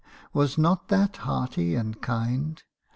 was not that hearty and kind?